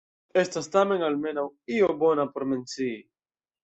Estas tamen almenaŭ io bona por mencii.